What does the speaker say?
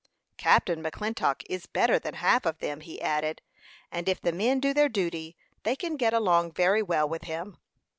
"Captain McClintock is better than half of them," he added; "and if the men do their duty, they can get along very well with him."